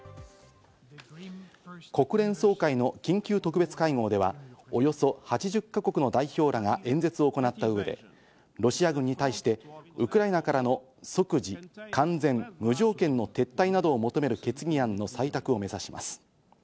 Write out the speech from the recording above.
国連総会の緊急特別会合では、およそ８０か国の代表らが演説を行った上で、ロシア軍に対してウクライナからの即時、完全、無条件の撤退などを求める決議案の採択を目指します。